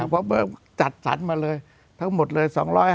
เพราะจัดสรรมาเลยทั้งหมดเลย๒๕๐